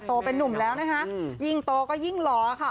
เป็นนุ่มแล้วนะคะยิ่งโตก็ยิ่งหล่อค่ะ